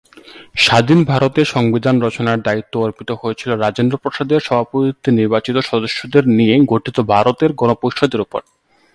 স্বাধীন ভারতে সংবিধান রচনার দায়িত্ব অর্পিত হয়েছিল রাজেন্দ্র প্রসাদের সভাপতিত্বে নির্বাচিত সদস্যদের নিয়ে গঠিত ভারতের গণপরিষদের উপর।